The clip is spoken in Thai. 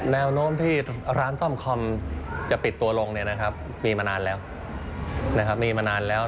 แนวโน้มที่ร้านซ่อมคอมจะปิดตัวลงมีมานานแล้ว